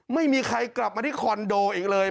ไม่มีใครกลับมาที่คอนโดอีกเลย